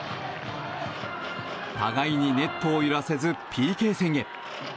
互いにネットを揺らせずＰＫ戦へ。